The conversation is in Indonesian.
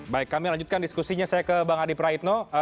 baik kami lanjutkan diskusinya saya ke bang adi praitno